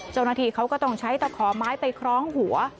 เจ้าหน้าที่เขาก็ต้องใช้ตะขอไม้ไปคล้องหัว